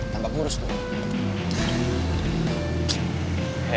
tampak burus gue